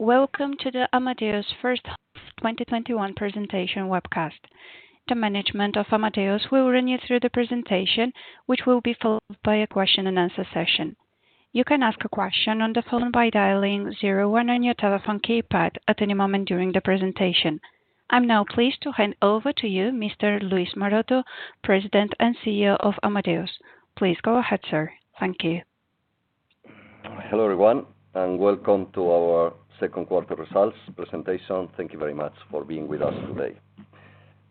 Welcome to the Amadeus first half 2021 presentation webcast. The management of Amadeus will run you through the presentation, which will be followed by a question and answer session. You can ask a question on the phone by dialing 01 on your telephone keypad at any moment during the presentation. I'm now pleased to hand over to you, Mr. Luis Maroto, President and CEO of Amadeus. Please go ahead, sir. Thank you. Hello, everyone, welcome to our Q2 results presentation. Thank you very much for being with us today.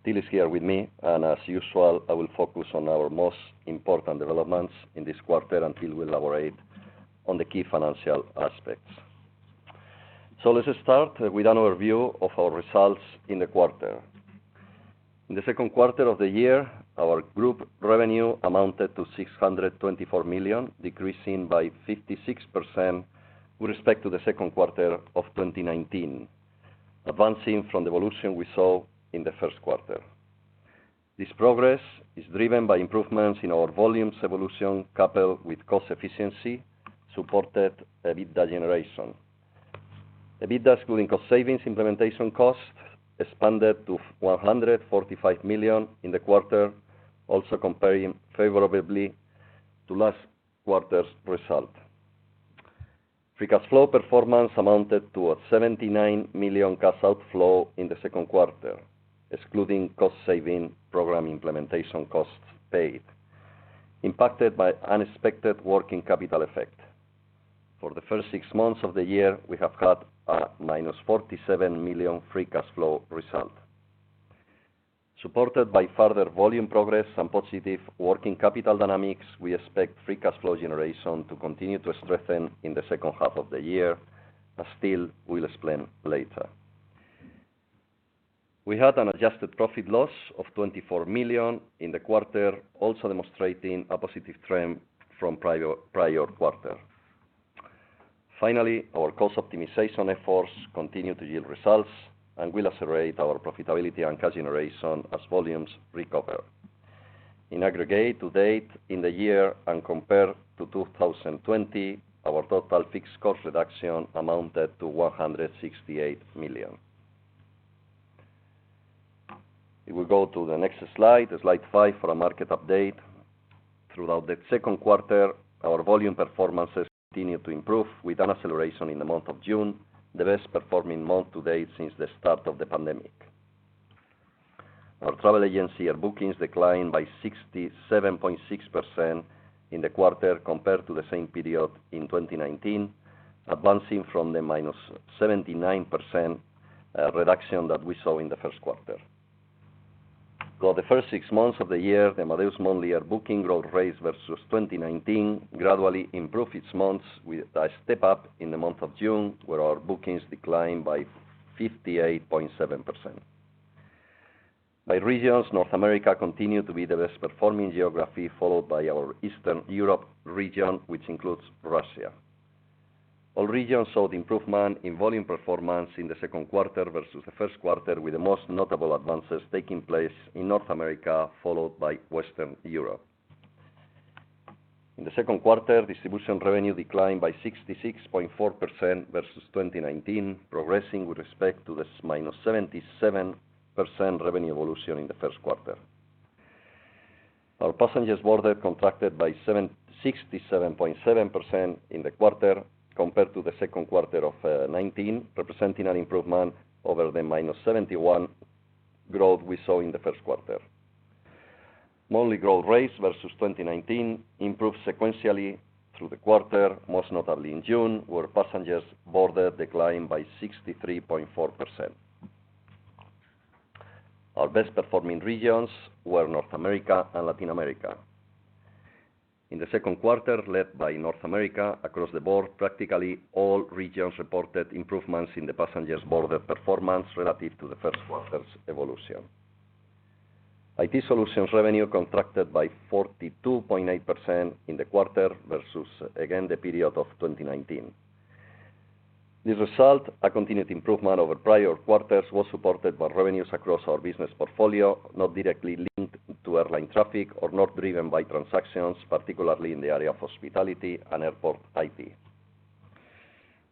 Till is here with me, and as usual, I will focus on our most important developments in this quarter, until we elaborate on the key financial aspects. Let us start with an overview of our results in the quarter. In the Q2 of the year, our group revenue amounted to 624 million, decreasing by 56% with respect to the Q2 of 2019, advancing from the evolution we saw in the Q1. This progress is driven by improvements in our volumes evolution, coupled with cost efficiency, supported EBITDA generation. EBITDA is going cost savings implementation costs expanded to 145 million in the quarter, also comparing favorably to last quarter's result. Free cash flow performance amounted to a 79 million cash outflow in the Q2, excluding cost-saving program implementation costs paid, impacted by unexpected working capital effect. For the first six months of the year, we have had a minus 47 million free cash flow result. Supported by further volume progress and positive working capital dynamics, we expect free cash flow generation to continue to strengthen in the second half of the year, as Till will explain later. We had an adjusted profit loss of 24 million in the quarter, also demonstrating a positive trend from prior quarter. Finally, our cost optimization efforts continue to yield results and will accelerate our profitability and cash generation as volumes recover. In aggregate, to date in the year and compared to 2020, our total fixed cost reduction amounted to 168 million. If we go to the next slide five for a market update. Throughout the Q2, our volume performances continued to improve with an acceleration in the month of June, the best-performing month to date since the start of the pandemic. Our travel agency air bookings declined by 67.6% in the quarter compared to the same period in 2019, advancing from the minus 79% reduction that we saw in the Q1. For the first six months of the year, Amadeus monthly air booking growth rates versus 2019 gradually improved each month, with a step-up in the month of June, where our bookings declined by 58.7%. By regions, North America continued to be the best-performing geography, followed by our Eastern Europe region, which includes Russia. All regions showed improvement in volume performance in the Q2 versus the Q1, with the most notable advances taking place in North America, followed by Western Europe. In the Q2, distribution revenue declined by 66.4% versus 2019, progressing with respect to the minus 77% revenue evolution in the Q1. Our passengers boarded contracted by 67.7% in the quarter compared to the Q2 of 2019, representing an improvement over the minus 71% growth we saw in the Q1. Monthly growth rates versus 2019 improved sequentially through the quarter, most notably in June, where passengers boarded declined by 63.4%. Our best-performing regions were North America and Latin America. In the Q2, led by North America across the board, practically all regions reported improvements in the passengers boarded performance relative to the Q1's evolution. IT solutions revenue contracted by 42.8% in the quarter versus, again, the period of 2019. This result, a continued improvement over prior quarters, was supported by revenues across our business portfolio, not directly linked to airline traffic or not driven by transactions, particularly in the area of hospitality and airport IT.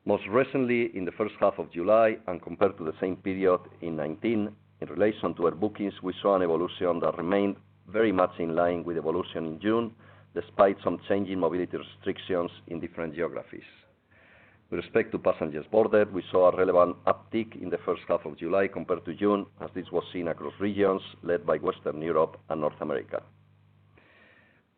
Most recently, in the first half of July and compared to the same period in 2019, in relation to air bookings, we saw an evolution that remained very much in line with evolution in June, despite some changing mobility restrictions in different geographies. With respect to passengers boarded, we saw a relevant uptick in the first half of July compared to June, as this was seen across regions led by Western Europe and North America.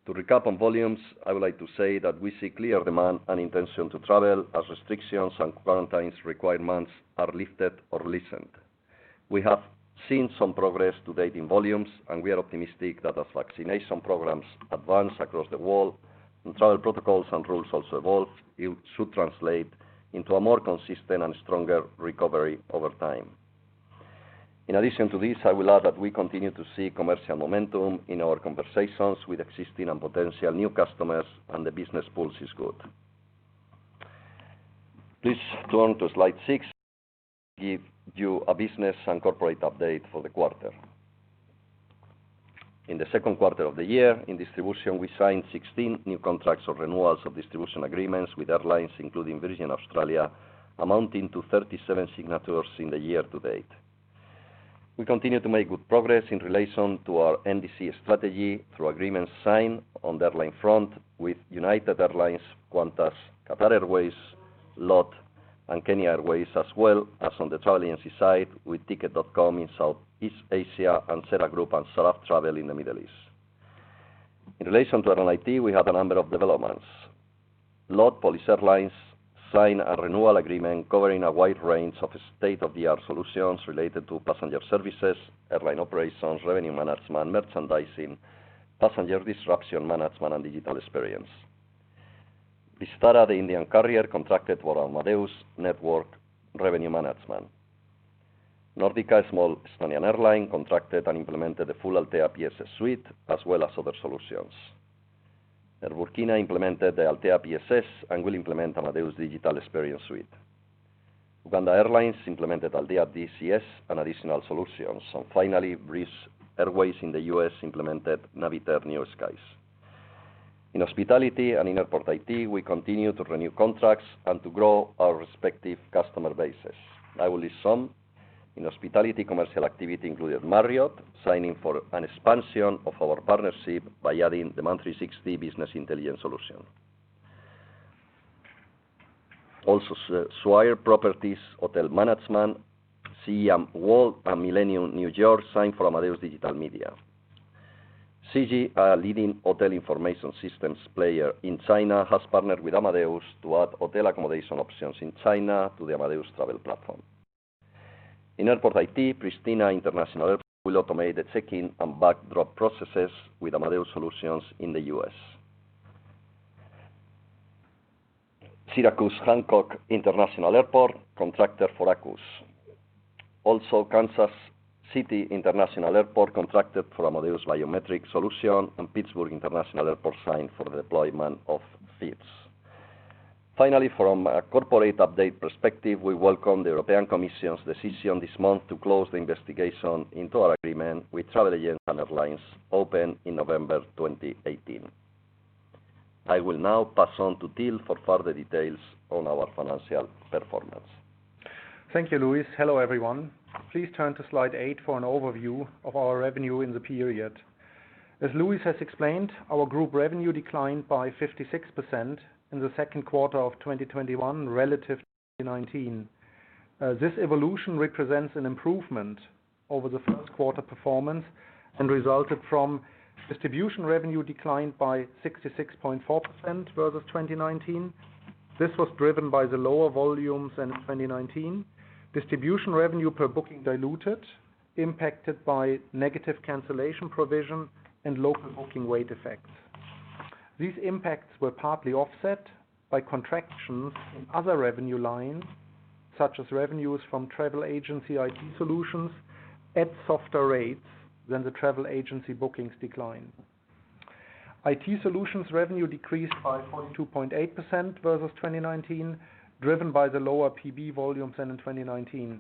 To recap on volumes, I would like to say that we see clear demand and intention to travel as restrictions and quarantines requirements are lifted or loosened. We have seen some progress to date in volumes, and we are optimistic that as vaccination programs advance across the world and travel protocols and rules also evolve, it should translate into a more consistent and stronger recovery over time. In addition to this, I will add that we continue to see commercial momentum in our conversations with existing and potential new customers, and the business pulse is good. Please turn to slide 6. I'll give you a business and corporate update for the quarter. In the Q2 of the year, in distribution, we signed 16 new contracts or renewals of distribution agreements with airlines, including Virgin Australia, amounting to 37 signatures in the year to date. We continue to make good progress in relation to our NDC strategy through agreements signed on the airline front with United Airlines, Qantas, Qatar Airways, LOT, and Kenya Airways, as well as on the travel agency side with Tiket.com in Southeast Asia, and SETA Group and Saraf Travel in the Middle East. In relation to Airline IT, we have a number of developments. LOT Polish Airlines signed a renewal agreement covering a wide range of state-of-the-art solutions related to passenger services, airline operations, revenue management, merchandising, passenger disruption management, and digital experience. Vistara, the Indian carrier, contracted for Amadeus Network Revenue Management. Nordica, a small Estonian airline, contracted and implemented the full Altéa PSS suite, as well as other solutions. Air Burkina implemented the Altéa PSS and will implement Amadeus Digital Experience Suite. Uganda Airlines implemented Altéa DCS and additional solutions. Finally, Breeze Airways in the U.S. implemented Navitaire New Skies. In Hospitality and in Airport IT, we continue to renew contracts and to grow our respective customer bases. I will list some. In Hospitality, commercial activity included Marriott signing for an expansion of our partnership by adding the Monthly 60 Business Intelligence solution. Also, Swire Properties Hotel Management, CM World, and Millennium Downtown New York signed for Amadeus Digital Media. Shiji Group, a leading hotel information systems player in China, has partnered with Amadeus to add hotel accommodation options in China to the Amadeus Travel Platform. In Airport IT, Pristina International Airport Adem Jashari will automate the check-in and bag drop processes with Amadeus solutions in the U.S. Syracuse Hancock International Airport contracted for ACUS. Also, Kansas City International Airport contracted for Amadeus Biometric Solutions, and Pittsburgh International Airport signed for the deployment of FIDS. Finally, from a corporate update perspective, we welcome the European Commission's decision this month to close the investigation into our agreement with travel agents and airlines opened in November 2018. I will now pass on to Till for further details on our financial performance. Thank you, Luis. Hello, everyone. Please turn to slide eight for an overview of our revenue in the period. As Luis has explained, our group revenue declined by 56% in the Q2 of 2021 relative to 2019. This evolution represents an improvement over the Q1 performance and resulted from distribution revenue declined by 66.4% versus 2019. This was driven by the lower volumes than in 2019. Distribution revenue per booking diluted impacted by negative cancellation provision and low booking weight effects. These impacts were partly offset by contractions in other revenue lines, such as revenues from travel agency IT solutions at softer rates than the travel agency bookings decline. IT solutions revenue decreased by 42.8% versus 2019, driven by the lower PB volumes than in 2019.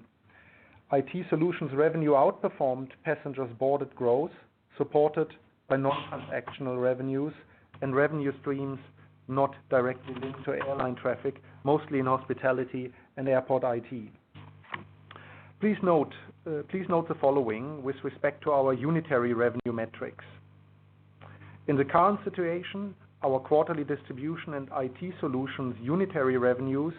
IT solutions revenue outperformed passengers boarded growth supported by non-transactional revenues and revenue streams not directly linked to airline traffic, mostly in hospitality and airport IT. Please note the following with respect to our unitary revenue metrics. In the current situation, our quarterly distribution and IT solutions unitary revenues,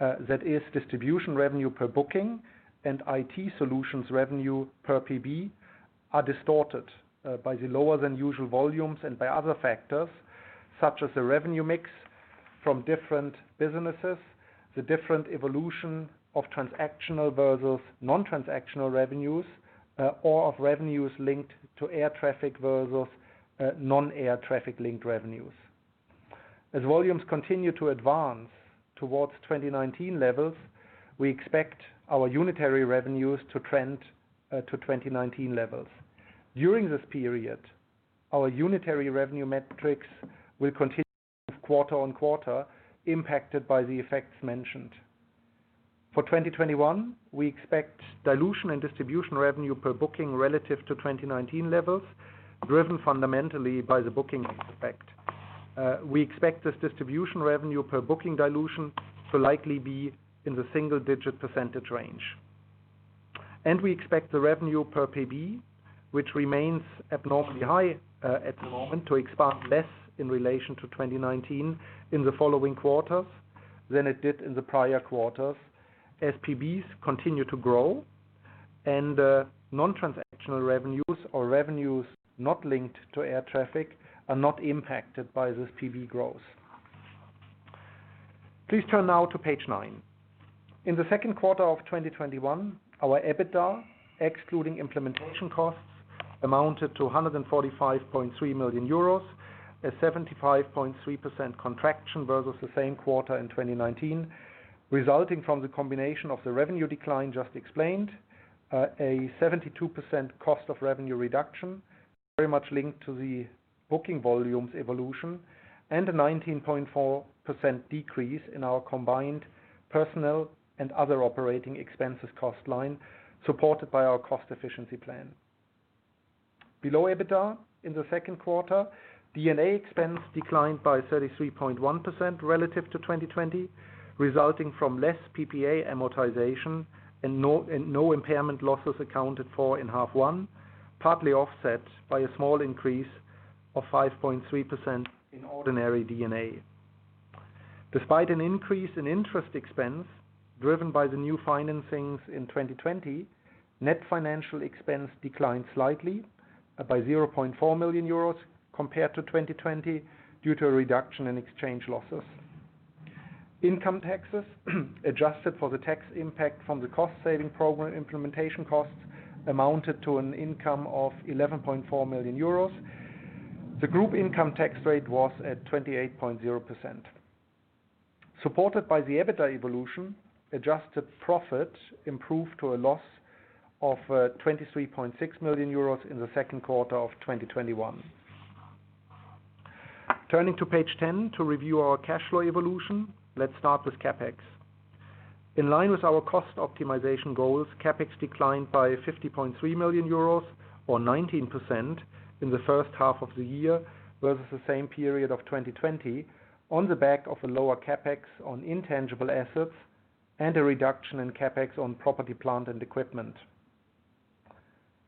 that is distribution revenue per booking and IT solutions revenue per PB, are distorted by the lower than usual volumes and by other factors, such as the revenue mix from different businesses, the different evolution of transactional versus non-transactional revenues, or of revenues linked to air traffic versus non-air traffic linked revenues. As volumes continue to advance towards 2019 levels, we expect our unitary revenues to trend to 2019 levels. During this period, our unitary revenue metrics will continue quarter-on-quarter, impacted by the effects mentioned. For 2021, we expect dilution in distribution revenue per booking relative to 2019 levels, driven fundamentally by the booking effect. We expect this distribution revenue per booking dilution to likely be in the single-digit % range. We expect the revenue per PB, which remains abnormally high at the moment, to expand less in relation to 2019 in the following quarters than it did in the prior quarters as PB continue to grow and non-transactional revenues or revenues not linked to air traffic are not impacted by this PB growth. Please turn now to page nine. In the Q2 of 2021, our EBITDA, excluding implementation costs, amounted to 145.3 million euros, a 75.3% contraction versus the same quarter in 2019, resulting from the combination of the revenue decline just explained, a 72% cost of revenue reduction very much linked to the booking volumes evolution, and a 19.4% decrease in our combined personnel and other operating expenses cost line supported by our cost efficiency plan. Below EBITDA in the Q2, D&A expense declined by 33.1% relative to 2020, resulting from less PPA amortization and no impairment losses accounted for in half one, partly offset by a small increase of 5.3% in ordinary D&A. Despite an increase in interest expense driven by the new financings in 2020, net financial expense declined slightly by 0.4 million euros compared to 2020 due to a reduction in exchange losses. Income taxes, adjusted for the tax impact from the cost-saving program implementation costs, amounted to an income of 11.4 million euros. The group income tax rate was at 28.0%. Supported by the EBITDA evolution, adjusted profit improved to a loss of 23.6 million euros in the Q2 of 2021. Turning to page 10 to review our cash flow evolution. Let's start with CapEx. In line with our cost optimization goals, CapEx declined by 50.3 million euros or 19% in the first half of the year versus the same period of 2020, on the back of a lower CapEx on intangible assets and a reduction in CapEx on property, plant, and equipment.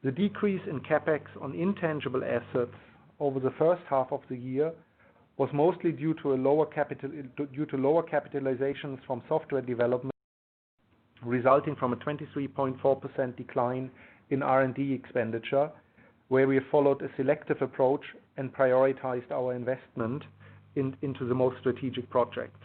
The decrease in CapEx on intangible assets over the first half of the year was mostly due to lower capitalizations from software development, resulting from a 23.4% decline in R&D expenditure, where we followed a selective approach and prioritized our investment into the most strategic projects.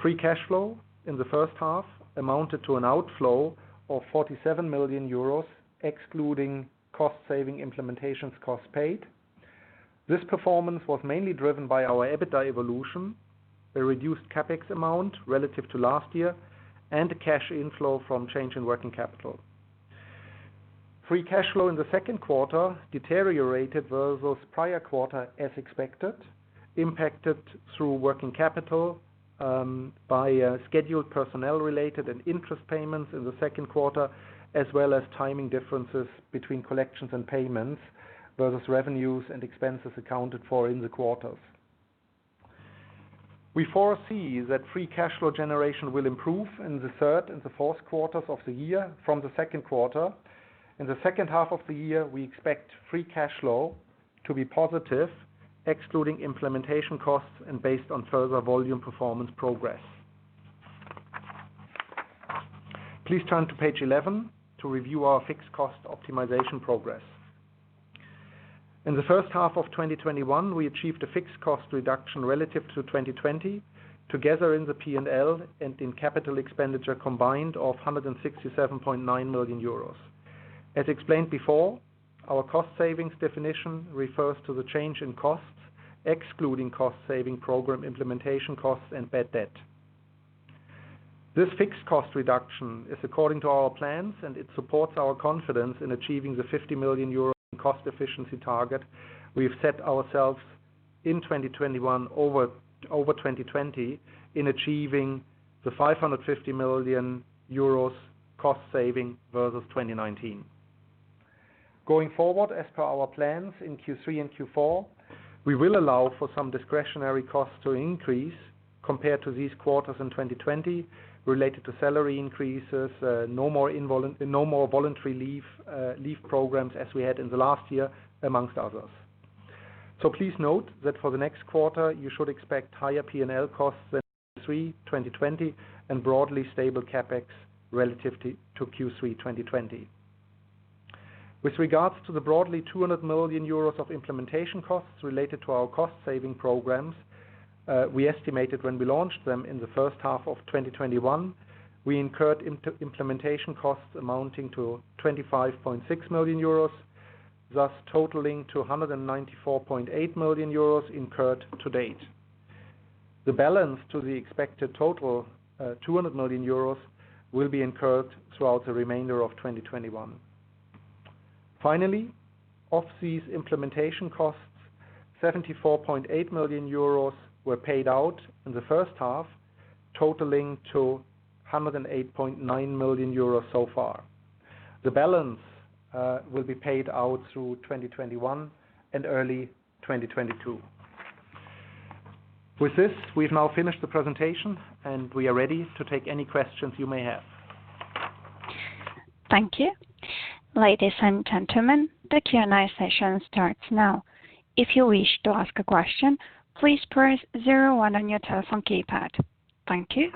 Free cash flow in the first half amounted to an outflow of 47 million euros, excluding cost-saving implementations cost paid. This performance was mainly driven by our EBITDA evolution, a reduced CapEx amount relative to last year, and a cash inflow from change in working capital. Free cash flow in the Q2 deteriorated versus prior quarter as expected, impacted through working capital by scheduled personnel related and interest payments in the Q2, as well as timing differences between collections and payments versus revenues and expenses accounted for in the quarters. We foresee that free cash flow generation will improve in the third and the Q4s of the year from the Q2. In the second half of the year, we expect free cash flow to be positive, excluding implementation costs and based on further volume performance progress. Please turn to page 11 to review our fixed cost optimization progress. In the first half of 2021, we achieved a fixed cost reduction relative to 2020, together in the P&L and in capital expenditure combined of 167.9 million euros. As explained before, our cost savings definition refers to the change in costs, excluding cost saving program implementation costs and bad debt. This fixed cost reduction is according to our plans, and it supports our confidence in achieving the 50 million euro cost efficiency target we've set ourselves in 2021 over 2020 in achieving the 550 million euros cost saving versus 2019. Going forward, as per our plans in Q3 and Q4, we will allow for some discretionary costs to increase compared to these quarters in 2020 related to salary increases, no more voluntary leave programs as we had in the last year, amongst others. Please note that for the next quarter, you should expect higher P&L costs than Q3 2020 and broadly stable CapEx relative to Q3 2020. With regards to the broadly 200 million euros of implementation costs related to our cost saving programs, we estimated when we launched them in the first half of 2021, we incurred implementation costs amounting to 25.6 million euros, thus totaling to 194.8 million euros incurred to date. The balance to the expected total, 200 million euros, will be incurred throughout the remainder of 2021. Of these implementation costs, 74.8 million euros were paid out in the first half, totaling to 108.9 million euros so far. The balance will be paid out through 2021 and early 2022. With this, we've now finished the presentation, and we are ready to take any questions you may have. Thank you. Ladies and gentlemen, the Q&A session starts now. If you wish to ask a question, please press 01 on your telephone keypad. Thank you.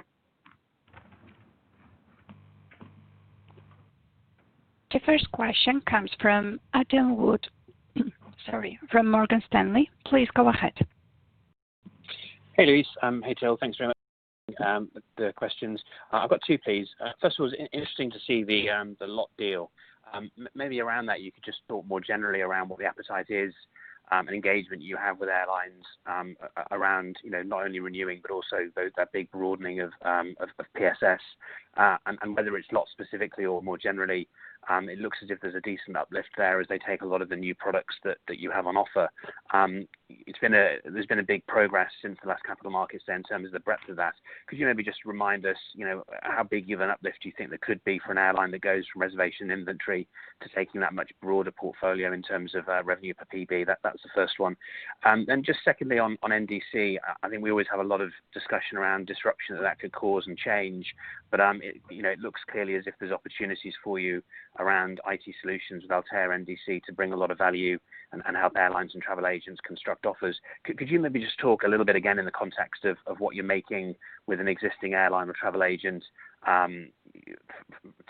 The first question comes from Adam Wood, sorry, from Morgan Stanley. Please go ahead. Hey, Luis. Hey, Till. Thanks very much for the questions. I've got two, please. First of all, it's interesting to see the LOT deal. Maybe around that, you could just talk more generally around what the appetite is and engagement you have with airlines around not only renewing, but also that big broadening of PSS. Whether it's LOT specifically or more generally, it looks as if there's a decent uplift there as they take a lot of the new products that you have on offer. There's been a big progress since the last capital markets day in terms of the breadth of that. Could you maybe just remind us, how big of an uplift do you think there could be for an airline that goes from reservation inventory to taking that much broader portfolio in terms of revenue per PB? That was the first one. Just secondly on NDC, I think we always have a lot of discussion around disruption that could cause and change, but it looks clearly as if there's opportunities for you around IT solutions with Altéa, NDC to bring a lot of value and help airlines and travel agents construct offers. Could you maybe just talk a little bit again in the context of what you're making with an existing airline or travel agent,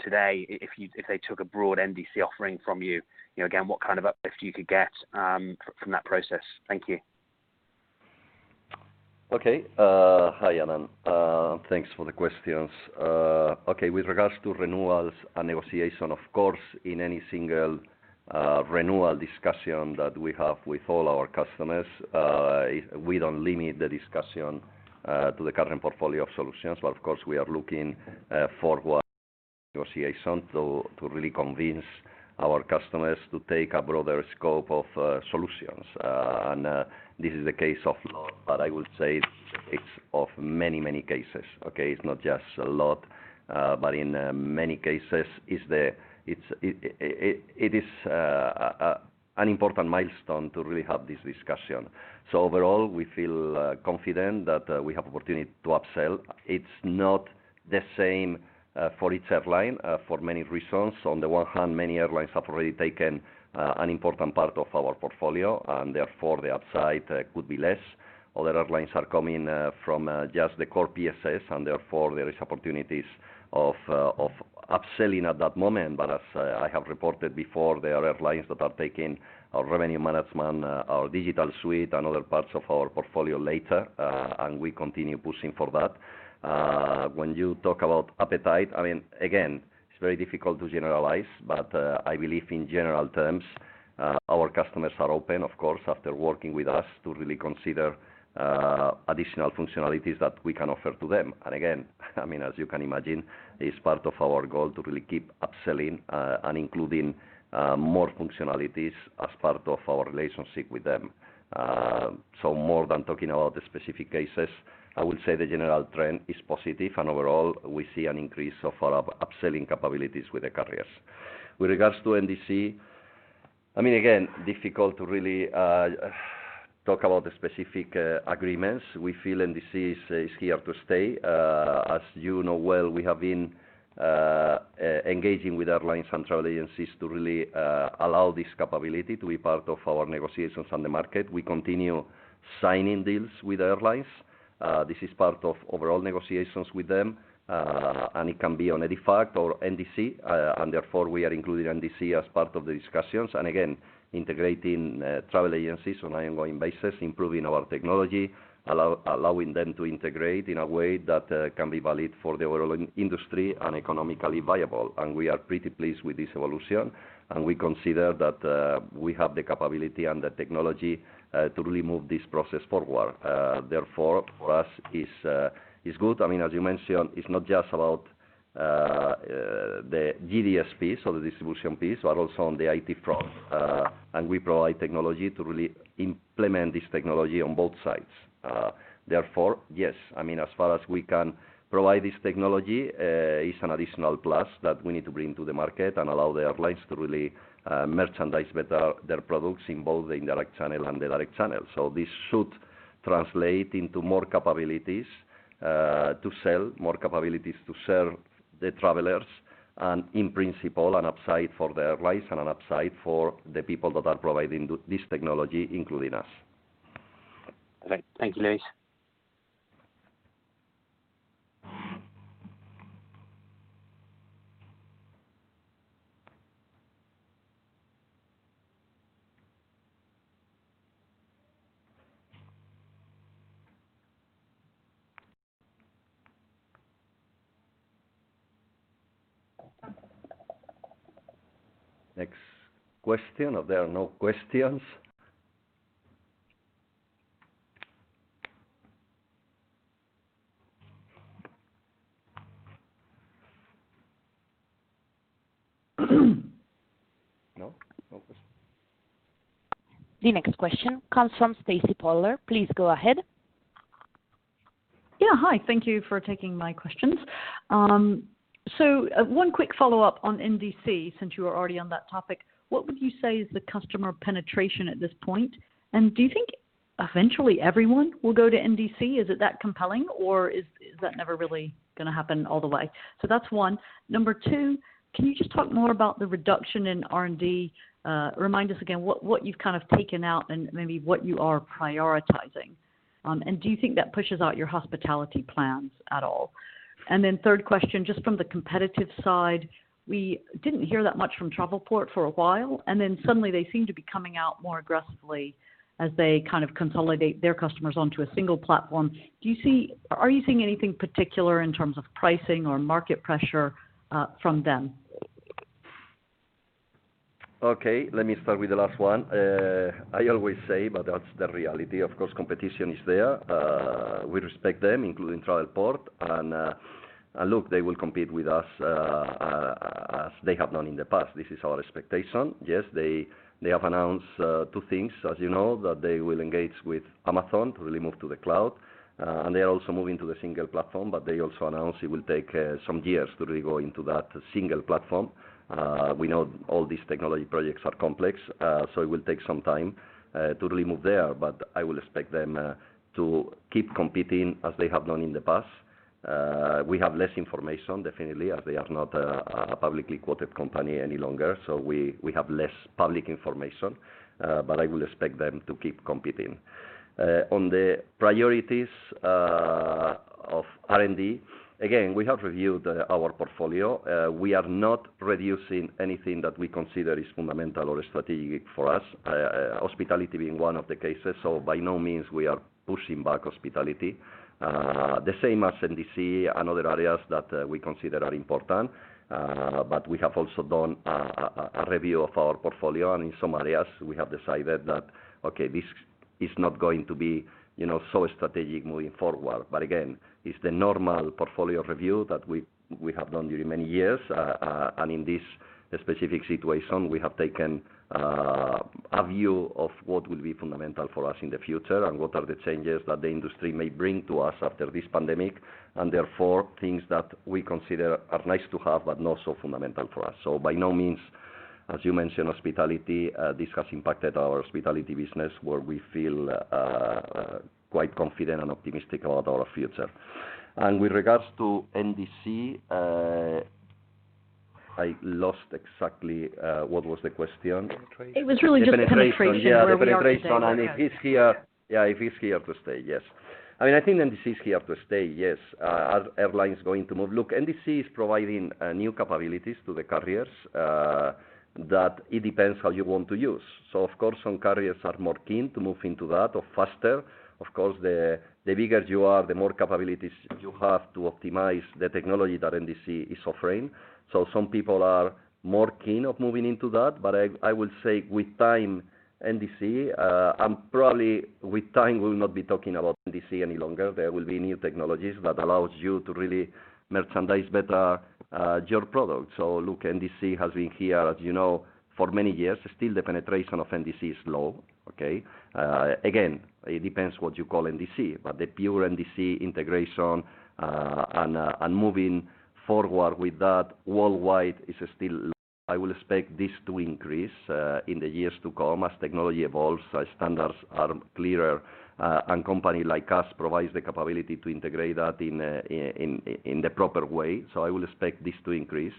today, if they took a broad NDC offering from you, again, what kind of uplift you could get from that process? Thank you. Okay. Hi, Adam. Thanks for the questions. With regards to renewals and negotiation, of course, in any single renewal discussion that we have with all our customers, we don't limit the discussion to the current portfolio of solutions. Of course, we are looking forward negotiation to really convince our customers to take a broader scope of solutions. This is the case of LOT, but I would say it's of many, many cases. Okay? It's not just LOT, but in many cases, it is an important milestone to really have this discussion. Overall, we feel confident that we have opportunity to upsell. It's not the same, for each airline, for many reasons. On the one hand, many airlines have already taken an important part of our portfolio, and therefore the upside could be less. Other airlines are coming from just the core PSS, therefore there is opportunities of upselling at that moment. As I have reported before, there are airlines that are taking our Revenue Management, our Digital Suite, and other parts of our portfolio later. We continue pushing for that. When you talk about appetite, again, it's very difficult to generalize, I believe in general terms, our customers are open, of course, after working with us to really consider additional functionalities that we can offer to them. Again, as you can imagine, it's part of our goal to really keep upselling, and including more functionalities as part of our relationship with them. More than talking about the specific cases, I would say the general trend is positive, overall, we see an increase of our upselling capabilities with the carriers. With regards to NDC, difficult to really talk about the specific agreements. We feel NDC is here to stay. As you know well, we have been engaging with airlines and travel agencies to really allow this capability to be part of our negotiations on the market. We continue signing deals with airlines. This is part of overall negotiations with them, it can be on EDIFACT or NDC, therefore we are including NDC as part of the discussions. Integrating travel agencies on an ongoing basis, improving our technology, allowing them to integrate in a way that can be valid for the overall industry and economically viable. We are pretty pleased with this evolution, and we consider that we have the capability and the technology to really move this process forward. For us, it's good. As you mentioned, it's not just about the GDS piece or the distribution piece, but also on the IT front. We provide technology to really implement this technology on both sides. Therefore, yes, as far as we can provide this technology, it's an additional plus that we need to bring to the market and allow the airlines to really merchandise better their products in both the indirect channel and the direct channel. This should translate into more capabilities to sell, more capabilities to serve the travelers, and in principle, an upside for the airlines and an upside for the people that are providing this technology, including us. Great. Thank you, Luis. Next question, or there are no questions? No? No question. The next question comes from Stacy Pollard. Please go ahead. Yeah. Hi, thank you for taking my questions. One quick follow-up on NDC, since you are already on that topic, what would you say is the customer penetration at this point? Do you think eventually everyone will go to NDC? Is it that compelling, or is that never really going to happen all the way? That's one. Number two, can you just talk more about the reduction in R&D? Remind us again what you've taken out and maybe what you are prioritizing. Do you think that pushes out your hospitality plans at all? Third question, just from the competitive side, we didn't hear that much from Travelport for a while, and then suddenly they seem to be coming out more aggressively as they consolidate their customers onto a single platform. Are you seeing anything particular in terms of pricing or market pressure from them? Let me start with the last one. I always say, that's the reality. Of course, competition is there. We respect them, including Travelport, look, they will compete with us, as they have done in the past. This is our expectation. Yes, they have announced two things, as you know, that they will engage with Amazon to really move to the cloud. They are also moving to the single platform, they also announced it will take some years to really go into that single platform. We know all these technology projects are complex, it will take some time to really move there, I will expect them to keep competing as they have done in the past. We have less information, definitely, as they are not a publicly quoted company any longer. We have less public information. I will expect them to keep competing. On the priorities of R&D, again, we have reviewed our portfolio. We are not reducing anything that we consider is fundamental or strategic for us, hospitality being one of the cases. By no means we are pushing back hospitality. The same as NDC and other areas that we consider are important. We have also done a review of our portfolio, and in some areas, we have decided that, okay, this is not going to be so strategic moving forward. Again, it's the normal portfolio review that we have done during many years. In this specific situation, we have taken a view of what will be fundamental for us in the future, what are the changes that the industry may bring to us after this pandemic, therefore, things that we consider are nice to have, but not so fundamental for us. By no means, as you mentioned, hospitality, this has impacted our hospitality business, where we feel quite confident and optimistic about our future. With regards to NDC, I lost exactly what was the question. It was really just the penetration. The penetration, yeah. Where we are today. The penetration, and if it's here to stay. Yes. I think NDC is here to stay, yes. Are airlines going to move? Look, NDC is providing new capabilities to the carriers that it depends how you want to use. Of course, some carriers are more keen to move into that or faster. Of course, the bigger you are, the more capabilities you have to optimize the technology that NDC is offering. Some people are more keen of moving into that. I will say with time, NDC, and probably with time, we will not be talking about NDC any longer. There will be new technologies that allows you to really merchandise better your product. Look, NDC has been here, as you know, for many years. Still, the penetration of NDC is low. Okay. It depends what you call NDC, but the pure NDC integration, and moving forward with that worldwide is still low. I will expect this to increase in the years to come as technology evolves, as standards are clearer, and company like us provides the capability to integrate that in the proper way. I will expect this to increase.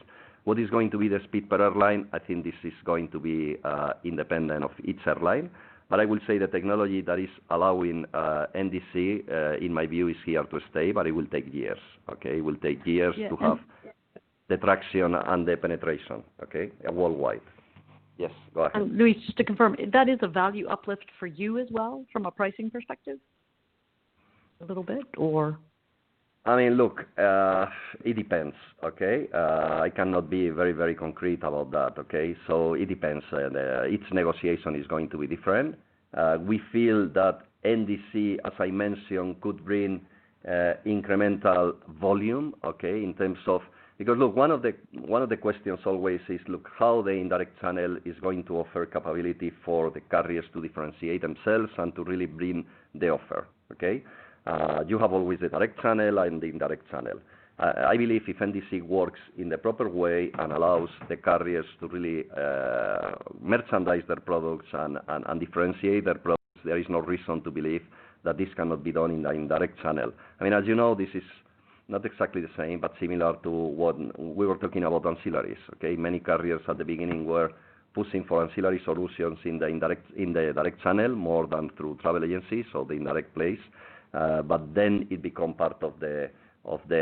What is going to be the speed per airline? I think this is going to be independent of each airline. I will say the technology that is allowing NDC, in my view, is here to stay, but it will take years. Okay? It will take years to have the traction and the penetration. Okay? Worldwide. Yes, go ahead. Luis, just to confirm, that is a value uplift for you as well from a pricing perspective? A little bit, or? Look, it depends, okay? I cannot be very concrete about that. Okay? It depends. Each negotiation is going to be different. We feel that NDC, as I mentioned, could bring incremental volume, okay. Because, look, one of the questions always is how the indirect channel is going to offer capability for the carriers to differentiate themselves and to really bring the offer. Okay? You have always the direct channel and the indirect channel. I believe if NDC works in the proper way and allows the carriers to really merchandise their products and differentiate their products, there is no reason to believe that this cannot be done in the indirect channel. As you know, this is not exactly the same, but similar to what we were talking about ancillaries. Okay? Many carriers at the beginning were pushing for ancillary solutions in the direct channel, more than through travel agencies, so the indirect place. It become part of the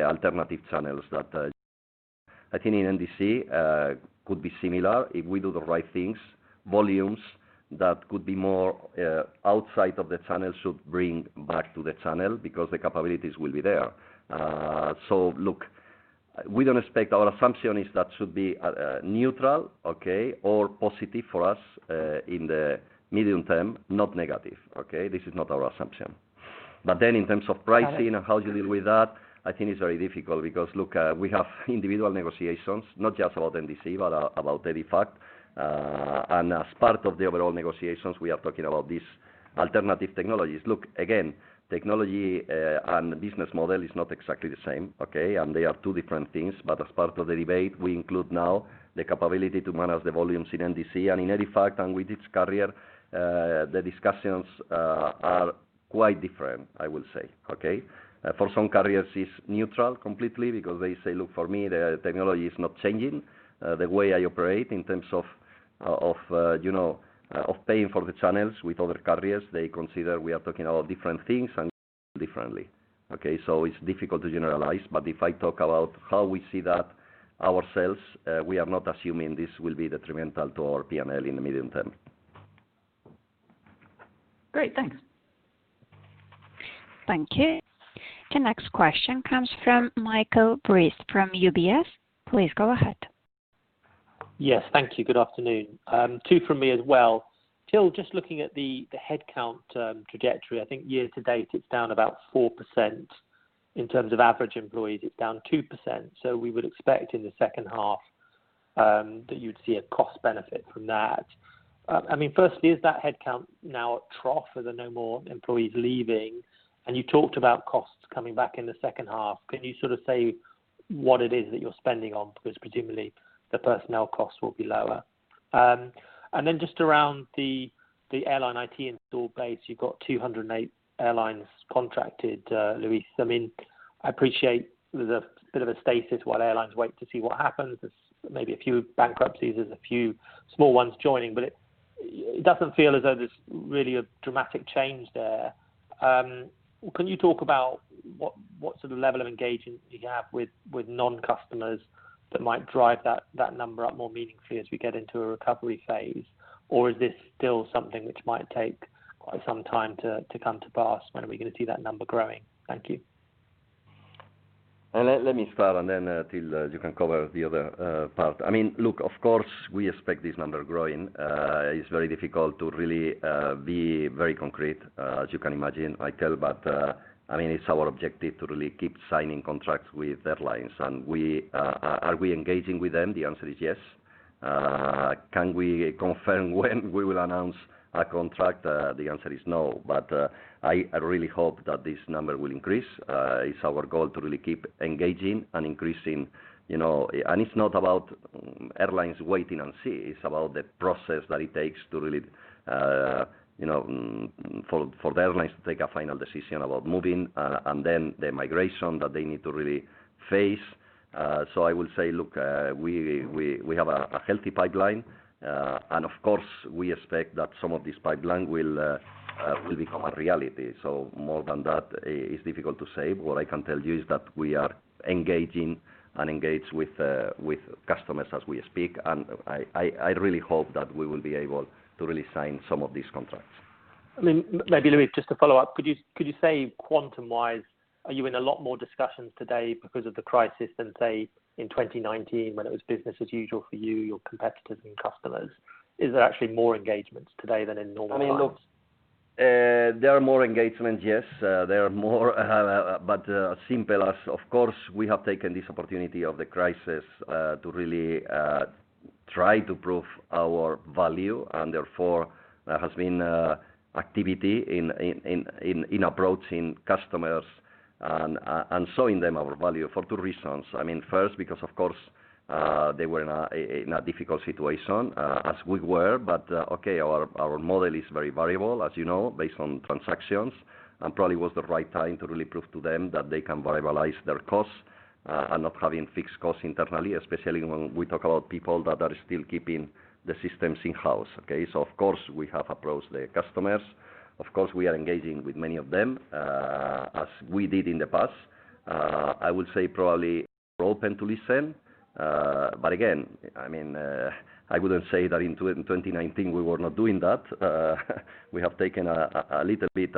alternative channels that I think in NDC could be similar. If we do the right things, volumes that could be more outside of the channel should bring back to the channel because the capabilities will be there. Our assumption is that should be neutral, or positive for us, in the medium term, not negative. Okay? This is not our assumption. In terms of pricing and how you deal with that, I think it's very difficult because we have individual negotiations, not just about NDC, but about EDIFACT. As part of the overall negotiations, we are talking about these alternative technologies. Look, again, technology and the business model is not exactly the same, okay. They are two different things. As part of the debate, we include now the capability to manage the volumes in NDC. In EDIFACT and with each carrier, the discussions are quite different, I will say, okay? For some carriers, it's neutral completely because they say, look, for me, the technology is not changing the way I operate in terms of paying for the channels with other carriers. They consider we are talking about different things and differently. Okay? It's difficult to generalize, but if I talk about how we see that ourselves, we are not assuming this will be detrimental to our P&L in the medium term. Great. Thanks. Thank you. The next question comes from Michael Briest from UBS. Please go ahead. Yes. Thank you. Good afternoon. Two from me as well. Till, just looking at the headcount trajectory, I think year to date it's down about 4%. In terms of average employees, it's down 2%. We would expect in the second half that you'd see a cost benefit from that. Firstly, is that headcount now at trough? Are there no more employees leaving? You talked about costs coming back in the second half. Can you sort of say what it is that you're spending on? Because presumably the personnel costs will be lower. Just around the airline IT install base, you've got 208 airlines contracted, Luis. I appreciate there's a bit of a stasis while airlines wait to see what happens. There's maybe a few bankruptcies, there's a few small ones joining, but it doesn't feel as though there's really a dramatic change there. Can you talk about what sort of level of engagement you have with non-customers that might drive that number up more meaningfully as we get into a recovery phase? Or is this still something which might take quite some time to come to pass? When are we going to see that number growing? Thank you. Let me start, and then, Till, you can cover the other part. Look, of course, we expect this number growing. It's very difficult to really be very concrete, as you can imagine, Michael, but it's our objective to really keep signing contracts with airlines. Are we engaging with them? The answer is yes. Can we confirm when we will announce a contract? The answer is no. I really hope that this number will increase. It's our goal to really keep engaging and increasing. It's not about airlines waiting and see. It's about the process that it takes for the airlines to take a final decision about moving, and then the migration that they need to really face. I will say, look, we have a healthy pipeline. Of course, we expect that some of this pipeline will become a reality. More than that is difficult to say. What I can tell you is that we are engaging and engaged with customers as we speak, and I really hope that we will be able to really sign some of these contracts. Maybe, Luis, just to follow up, could you say, quantum-wise, are you in a lot more discussions today because of the crisis than, say, in 2019 when it was business as usual for you, your competitors, and customers? Is there actually more engagements today than in normal times? There are more engagements, yes. There are more, but as simple as, of course, we have taken this opportunity of the crisis to really try to prove our value, and therefore there has been activity in approaching customers and showing them our value for two reasons. First, because of course, they were in a difficult situation, as we were. Okay, our model is very variable, as you know, based on transactions, and probably was the right time to really prove to them that they can variabilize their costs and not having fixed costs internally, especially when we talk about people that are still keeping the systems in-house. Okay, of course, we have approached the customers. Of course, we are engaging with many of them, as we did in the past. I would say probably more open to listen. Again, I wouldn't say that in 2019 we were not doing that. We have taken a little bit,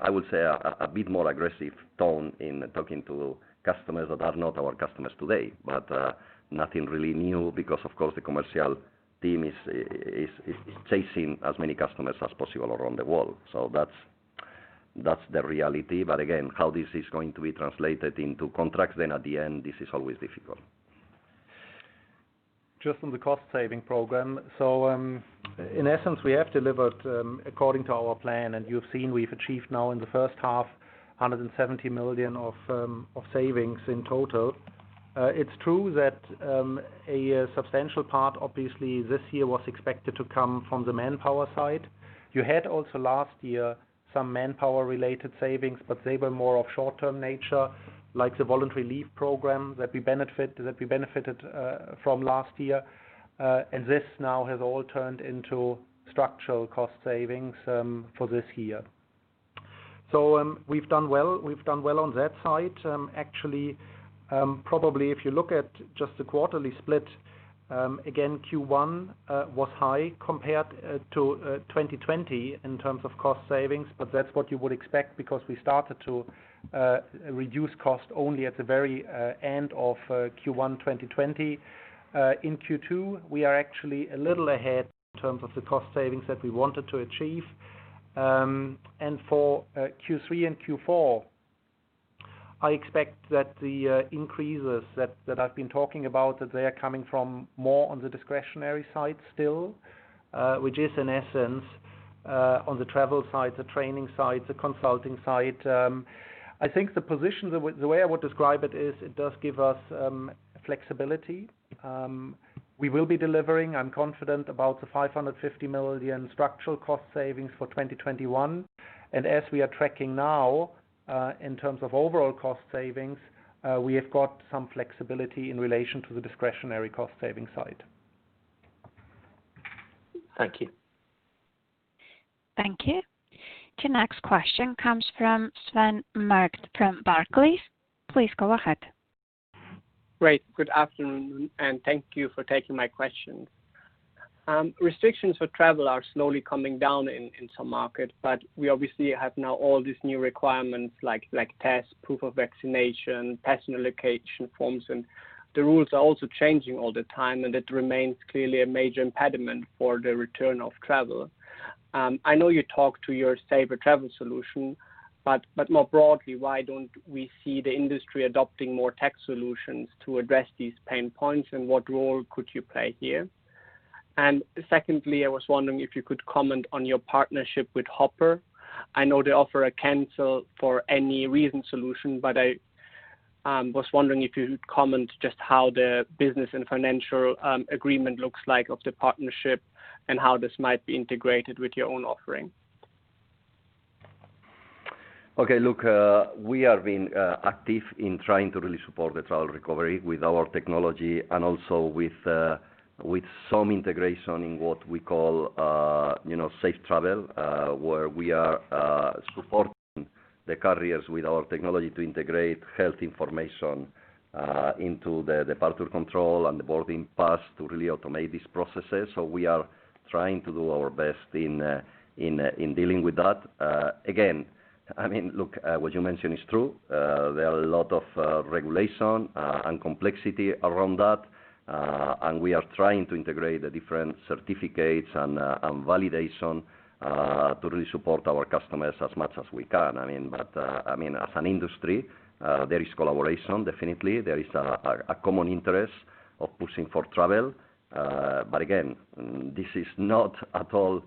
I would say, a bit more aggressive tone in talking to customers that are not our customers today, nothing really new because, of course, the commercial team is chasing as many customers as possible around the world. That's the reality. Again, how this is going to be translated into contracts then at the end, this is always difficult. Just on the cost-saving program. In essence, we have delivered according to our plan, and you've seen we've achieved now in the 1st half, 170 million of savings in total. It's true that a substantial part, obviously this year, was expected to come from the manpower side. You had also last year some manpower-related savings, but they were more of short-term nature, like the voluntary leave program that we benefited from last year. This now has all turned into structural cost savings for this year. We've done well. We've done well on that side. Probably if you look at just the quarterly split, again, Q1 was high compared to 2020 in terms of cost savings, but that's what you would expect because we started to reduce cost only at the very end of Q1 2020. In Q2, we are actually a little ahead in terms of the cost savings that we wanted to achieve. For Q3 and Q4, I expect that the increases that I've been talking about, that they are coming from more on the discretionary side still, which is in essence on the travel side, the training side, the consulting side. I think the position, the way I would describe it is it does give us flexibility. We will be delivering, I'm confident, about the 550 million structural cost savings for 2021. As we are tracking now, in terms of overall cost savings, we have got some flexibility in relation to the discretionary cost-saving side. Thank you. Thank you. The next question comes from Sven Merkt from Barclays. Please go ahead. Great. Good afternoon, and thank you for taking my questions. Restrictions for travel are slowly coming down in some markets, but we obviously have now all these new requirements like tests, proof of vaccination, passenger location forms, and the rules are also changing all the time, and it remains clearly a major impediment for the return of travel. I know you talked to your safer travel solution, but more broadly, why don't we see the industry adopting more tech solutions to address these pain points, and what role could you play here? Secondly, I was wondering if you could comment on your partnership with Hopper. I know they offer a cancel for any reason solution, but I was wondering if you could comment just how the business and financial agreement looks like of the partnership, and how this might be integrated with your own offering. Okay, look, we have been active in trying to really support the travel recovery with our technology and also with some integration in what we call safe travel, where we are supporting the carriers with our technology to integrate health information into the departure control and the boarding pass to really automate these processes. We are trying to do our best in dealing with that. Again, look, what you mentioned is true. There are a lot of regulation and complexity around that. We are trying to integrate the different certificates and validation to really support our customers as much as we can. As an industry, there is collaboration, definitely. There is a common interest of pushing for travel. Again, this is not at all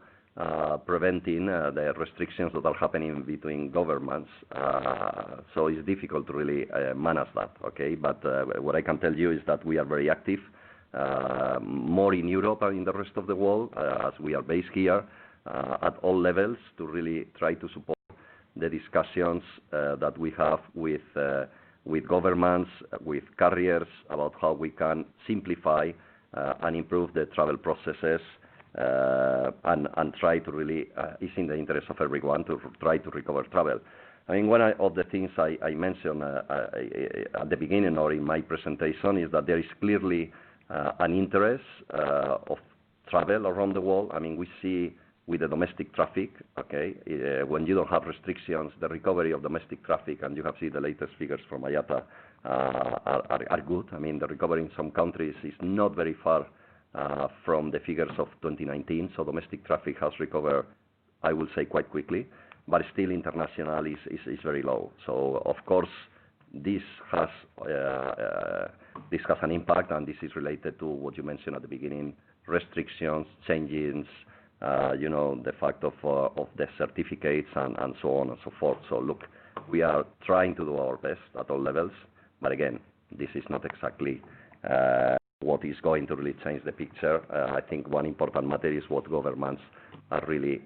preventing the restrictions that are happening between governments. It's difficult to really manage that. Okay. What I can tell you is that we are very active, more in Europe than in the rest of the world, as we are based here, at all levels to really try to support the discussions that we have with governments, with carriers about how we can simplify and improve the travel processes, and try to really, it's in the interest of everyone to try to recover travel. One of the things I mentioned at the beginning or in my presentation is that there is clearly an interest of travel around the world. We see with the domestic traffic, okay, when you don't have restrictions, the recovery of domestic traffic, and you have seen the latest figures from IATA are good. The recovery in some countries is not very far from the figures of 2019. Domestic traffic has recovered, I would say, quite quickly. Still internationally it's very low. Of course, this has an impact, and this is related to what you mentioned at the beginning, restrictions, changes, the fact of the certificates and so on and so forth. Look, we are trying to do our best at all levels. Again, this is not exactly what is going to really change the picture. I think one important matter is what governments are really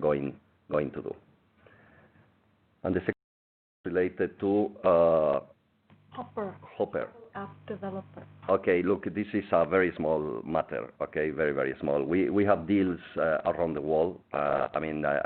going to do. Hopper. Hopper. App developer. Okay. Look, this is a very small matter, okay? Very, very small. We have deals around the world. I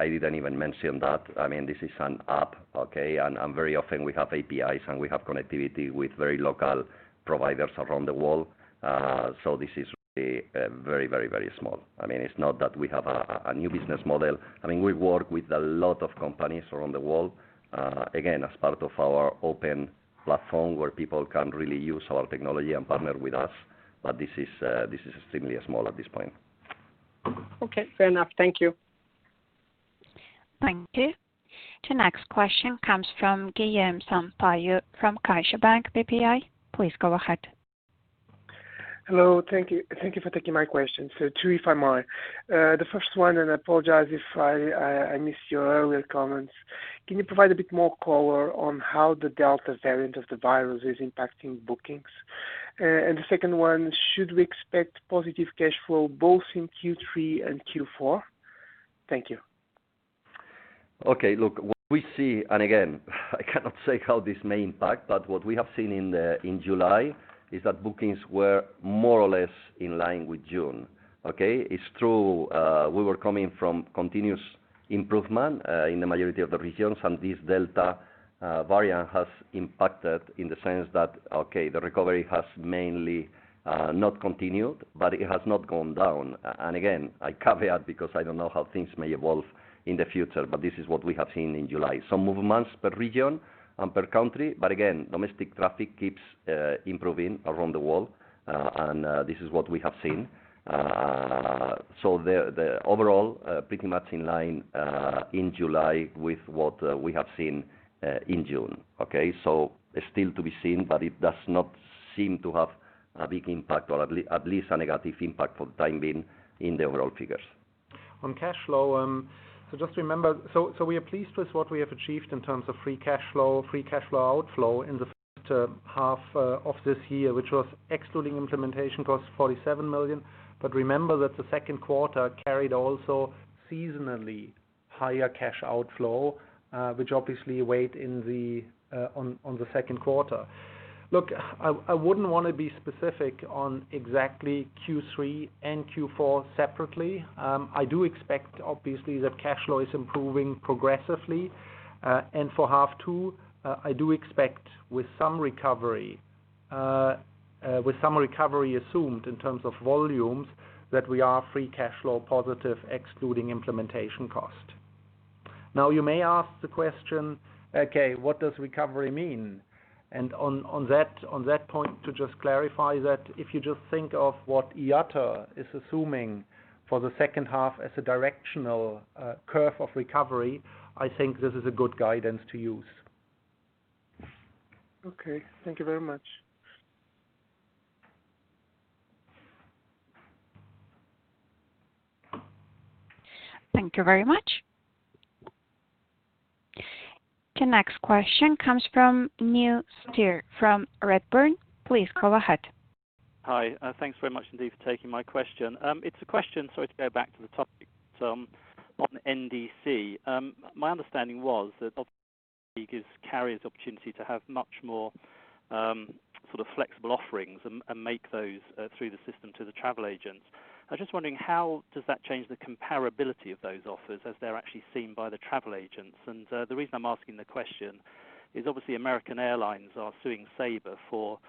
didn't even mention that. This is an app, okay? Very often we have APIs, and we have connectivity with very local providers around the world. This is very, very small. It's not that we have a new business model. We work with a lot of companies around the world, again, as part of our open platform where people can really use our technology and partner with us. This is extremely small at this point. Okay, fair enough. Thank you. Thank you. The next question comes from Guillaume Sampaio from CaixaBank BPI. Please go ahead. Hello. Thank you for taking my question. Two, if I may. The first one, and I apologize if I missed your earlier comments. Can you provide a bit more color on how the Delta variant of the virus is impacting bookings? The second one, should we expect positive cash flow both in Q3 and Q4? Thank you. Okay. Look, what we see, and again, I cannot say how this may impact, but what we have seen in July is that bookings were more or less in line with June. Okay? It's true we were coming from continuous improvement in the majority of the regions, and this Delta variant has impacted in the sense that, okay, the recovery has mainly not continued, but it has not gone down. Again, I caveat because I don't know how things may evolve in the future, but this is what we have seen in July. Some movements per region and per country, but again, domestic traffic keeps improving around the world. This is what we have seen. The overall, pretty much in line in July with what we have seen in June. Okay? Still to be seen, but it does not seem to have a big impact or at least a negative impact for the time being in the overall figures. On cash flow, just remember, we are pleased with what we have achieved in terms of free cash flow, free cash flow outflow in the first half of this year, which was excluding implementation cost, 47 million. Remember that the Q2 carried also seasonally higher cash outflow, which obviously weighed on the Q2. Look, I wouldn't want to be specific on exactly Q3 and Q4 separately. I do expect, obviously, that cash flow is improving progressively. For half 2, I do expect with some recovery With some recovery assumed in terms of volumes, that we are free cash flow positive, excluding implementation cost. Now, you may ask the question, okay, what does recovery mean? On that point, to just clarify that, if you just think of what IATA is assuming for the second half as a directional curve of recovery, I think this is a good guidance to use. Okay. Thank you very much. Thank you very much. The next question comes from Neil Steer from Redburn. Please go ahead. Hi. Thanks very much indeed for taking my question. It's a question, sorry to go back to the topic on NDC. My understanding was that gives carriers the opportunity to have much more flexible offerings and make those through the system to the travel agents. I'm just wondering, how does that change the comparability of those offers as they're actually seen by the travel agents? The reason I'm asking the question is obviously, American Airlines are suing Sabre for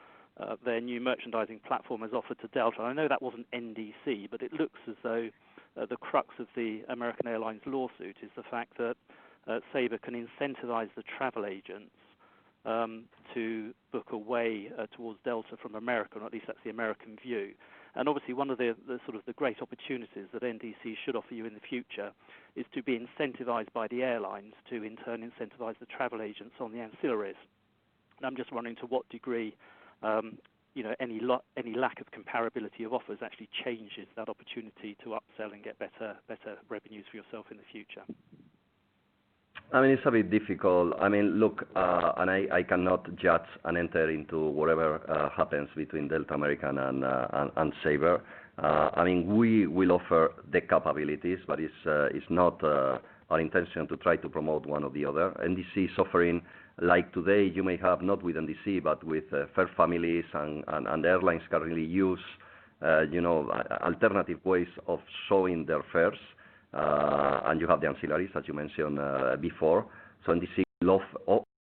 their new merchandising platform as offered to Delta. I know that wasn't NDC, but it looks as though the crux of the American Airlines lawsuit is the fact that Sabre can incentivize the travel agents to book away towards Delta from American, or at least that's the American view. Obviously one of the great opportunities that NDC should offer you in the future is to be incentivized by the airlines to, in turn, incentivize the travel agents on the ancillaries. I'm just wondering to what degree any lack of comparability of offers actually changes that opportunity to upsell and get better revenues for yourself in the future. It's a bit difficult. Look, I cannot judge and enter into whatever happens between Delta, American, and Sabre. We will offer the capabilities. It's not our intention to try to promote one or the other. NDC is offering, like today, you may have, not with NDC, but with fare families and airlines currently use alternative ways of showing their fares. You have the ancillaries, as you mentioned before. NDC will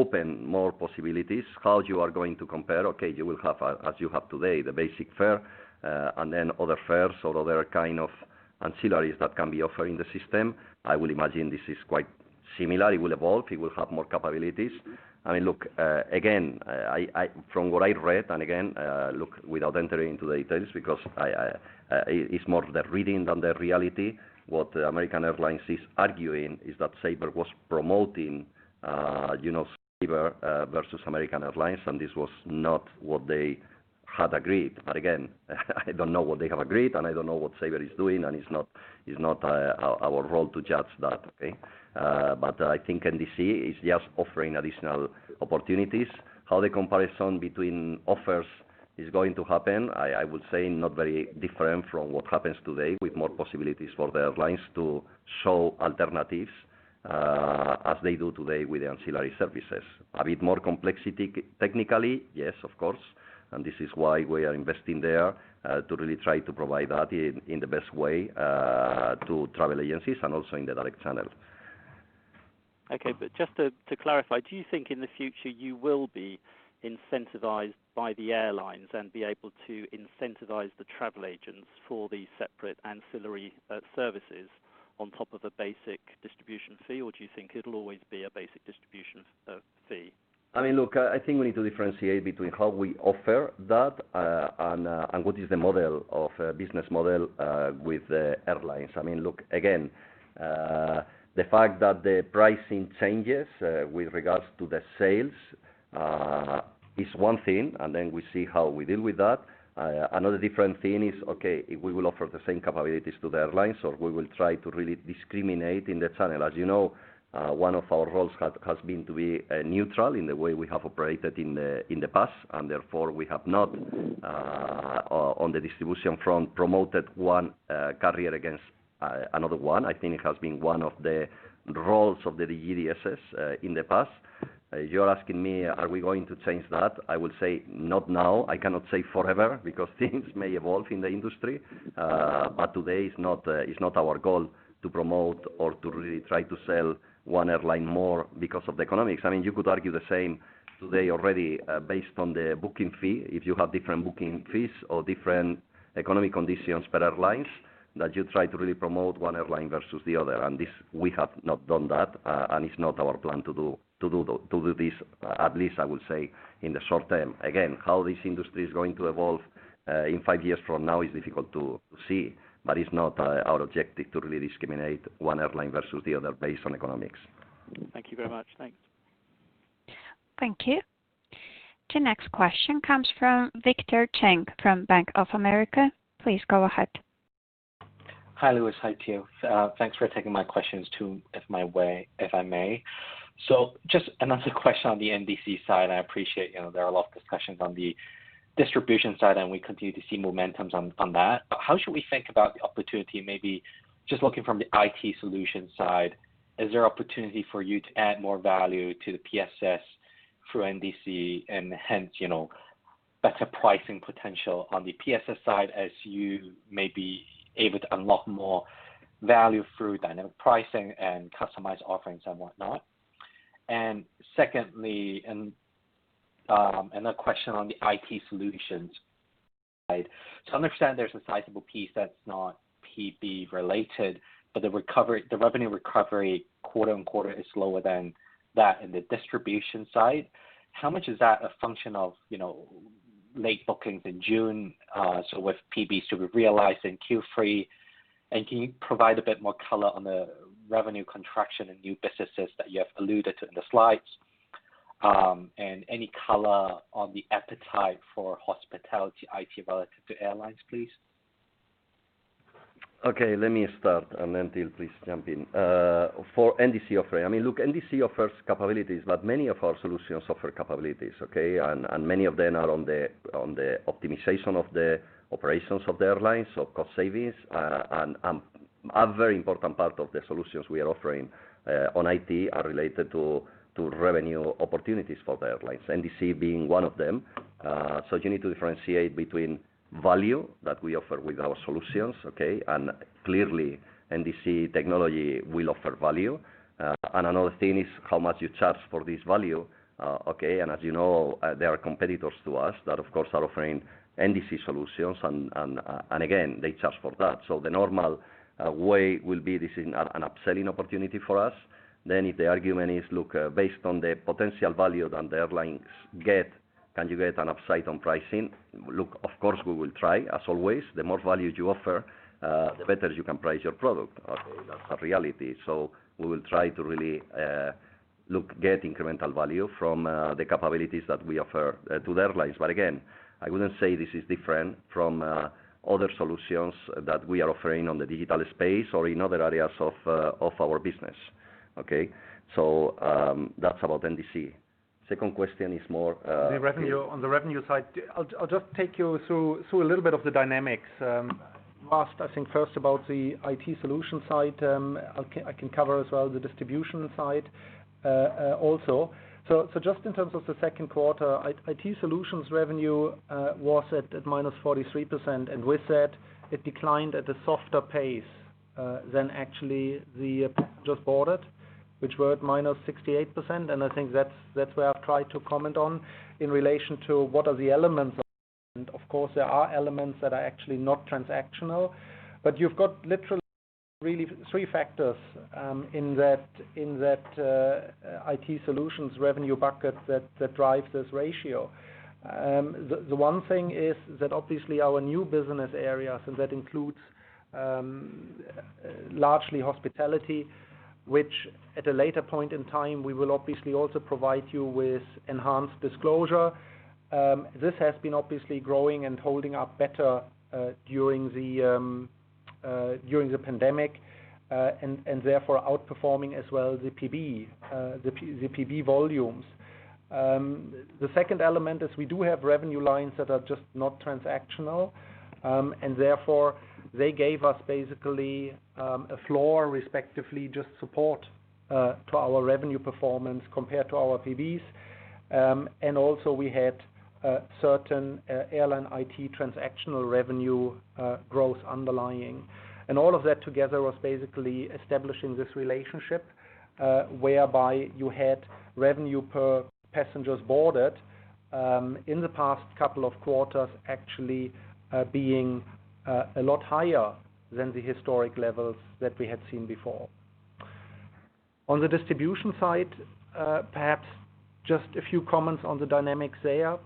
open more possibilities. How you are going to compare? Okay, you will have, as you have today, the basic fare, then other fares or other kind of ancillaries that can be offered in the system. I would imagine this is quite similar. It will evolve. It will have more capabilities. Look, again, from what I read, again, look, without entering into the details because it's more the reading than the reality. What American Airlines is arguing is that Sabre was promoting Sabre versus American Airlines, and this was not what they had agreed. Again, I don't know what they have agreed, and I don't know what Sabre is doing, and it's not our role to judge that. Okay? I think NDC is just offering additional opportunities. How the comparison between offers is going to happen, I would say not very different from what happens today, with more possibilities for the airlines to show alternatives as they do today with the ancillary services. A bit more complexity technically, yes, of course. This is why we are investing there, to really try to provide that in the best way to travel agencies and also in the direct channel. Okay. Just to clarify, do you think in the future you will be incentivized by the airlines and be able to incentivize the travel agents for the separate ancillary services on top of a basic distribution fee? Do you think it'll always be a basic distribution fee? Look, I think we need to differentiate between how we offer that, and what is the business model with the airlines. Look, again, the fact that the pricing changes with regards to the sales is one thing, and then we see how we deal with that. Another different thing is, okay, we will offer the same capabilities to the airlines, or we will try to really discriminate in the channel. As you know, one of our roles has been to be neutral in the way we have operated in the past, and therefore we have not, on the distribution front, promoted one carrier against another one. I think it has been one of the roles of the GDSs in the past. You're asking me, are we going to change that? I would say not now. I cannot say forever because things may evolve in the industry. Today it's not our goal to promote or to really try to sell one airline more because of the economics. You could argue the same today already based on the booking fee. If you have different booking fees or different economic conditions per airlines, that you try to really promote one airline versus the other. We have not done that, and it's not our plan to do this, at least I will say in the short term. Again, how this industry is going to evolve in five years from now is difficult to see, but it's not our objective to really discriminate one airline versus the other based on economics. Thank you very much. Thanks. Thank you. The next question comes from Victor Cheng from Bank of America. Please go ahead. Hi, Luis. Hi, team. Thanks for taking my questions too, if I may. Just another question on the NDC side, and I appreciate there are a lot of discussions on the distribution side, and we continue to see momentums on that. How should we think about the opportunity, maybe just looking from the IT solution side, is there opportunity for you to add more value to the PSS through NDC and hence better pricing potential on the PSS side as you may be able to unlock more value through dynamic pricing and customized offerings and whatnot? Secondly, another question on the IT solutions, right, to understand there's a sizable piece that's not PB related, but the revenue recovery quarter-on-quarter is lower than that in the distribution side. How much is that a function of late bookings in June, so with PB to be realized in Q3? Can you provide a bit more color on the revenue contraction in new businesses that you have alluded to in the slides? Any color on the appetite for hospitality IT relative to airlines, please? Let me start and then, Till, please jump in. For NDC offering, look, NDC offers capabilities. Many of our solutions offer capabilities, okay? Many of them are on the optimization of the operations of the airlines. Cost savings and a very important part of the solutions we are offering on IT are related to revenue opportunities for the airlines, NDC being one of them. You need to differentiate between value that we offer with our solutions, okay? Clearly NDC technology will offer value. Another thing is how much you charge for this value, okay? As you know, there are competitors to us that, of course, are offering NDC solutions and again, they charge for that. The normal way will be this is an upselling opportunity for us. If the argument is, look, based on the potential value that the airlines get, can you get an upside on pricing? Look, of course, we will try, as always. The more value you offer, the better you can price your product. That's a reality. We will try to really get incremental value from the capabilities that we offer to the airlines. Again, I wouldn't say this is different from other solutions that we are offering on the digital space or in other areas of our business. Okay? That's about NDC. Second question is more. On the revenue side, I'll just take you through a little bit of the dynamics. You asked, I think first about the IT solutions side. I can cover as well the distribution side also. Just in terms of the Q2, IT solutions revenue was at -43%, and with that, it declined at a softer pace than actually the passengers boarded, which were at -68%. I think that's where I've tried to comment on in relation to what are the elements. Of course, there are elements that are actually not transactional, but you've got literally three factors in that IT solutions revenue bucket that drive this ratio. The one thing is that obviously our new business areas, and that includes largely hospitality, which at a later point in time, we will obviously also provide you with enhanced disclosure. This has been obviously growing and holding up better during the pandemic, and therefore outperforming as well the PB volumes. The second element is we do have revenue lines that are just not transactional, and therefore they gave us basically a floor respectively, just support to our revenue performance compared to our PBs. We had certain airline IT transactional revenue growth underlying. All of that together was basically establishing this relationship, whereby you had revenue per passengers boarded, in the past couple of quarters actually being a lot higher than the historic levels that we had seen before. On the distribution side, perhaps just a few comments on the dynamics there.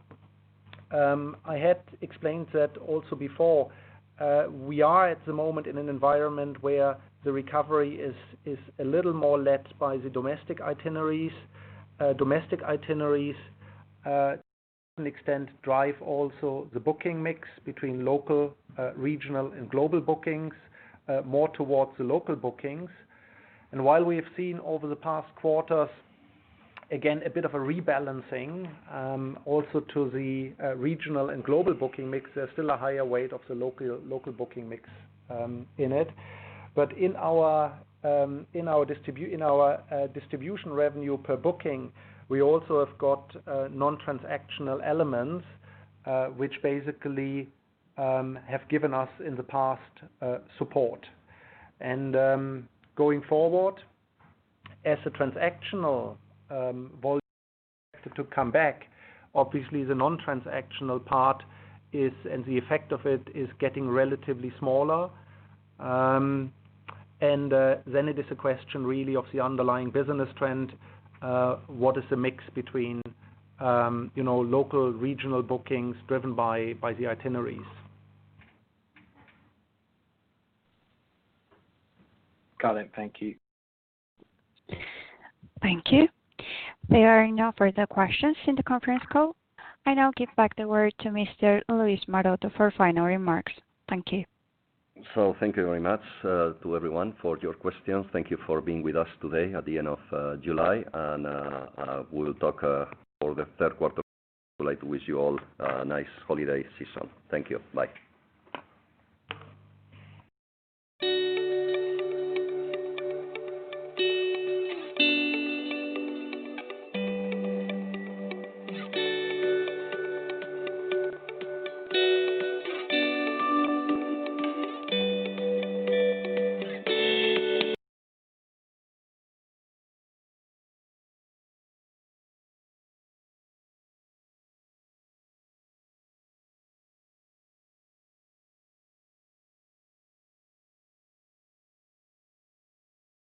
I had explained that also before. We are at the moment in an environment where the recovery is a little more led by the domestic itineraries. Domestic itineraries to a certain extent drive also the booking mix between local, regional, and global bookings, more towards the local bookings. While we have seen over the past quarters, again, a bit of a rebalancing, also to the regional and global booking mix, there's still a higher weight of the local booking mix in it. In our distribution revenue per booking, we also have got non-transactional elements, which basically have given us in the past support. Going forward, as the transactional volume expected to come back, obviously the non-transactional part and the effect of it is getting relatively smaller. Then it is a question really of the underlying business trend. What is the mix between local, regional bookings driven by the itineraries? Got it. Thank you. Thank you. There are no further questions in the conference call. I now give back the word to Mr. Luis Maroto for final remarks. Thank you. Thank you very much to everyone for your questions. Thank you for being with us today at the end of July. We will talk for the Q3. I would like to wish you all a nice holiday season. Thank you. Bye.